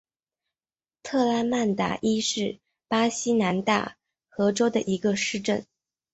特拉曼达伊是巴西南大河州的一个市镇。